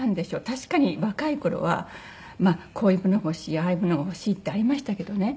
確かに若い頃はこういうもの欲しいああいうものが欲しいってありましたけどね。